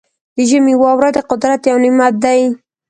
د ژمي واوره د قدرت یو نعمت دی.